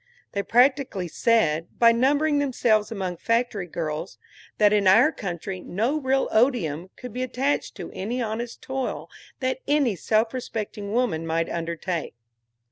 They practically said, by numbering themselves among factory girls, that in our country no real odium could be attached to any honest toil that any self respecting woman might undertake.